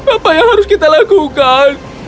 apa yang harus kita lakukan